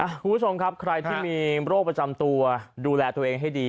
คุณผู้ชมครับใครที่มีโรคประจำตัวดูแลตัวเองให้ดี